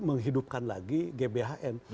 menghidupkan lagi gbhn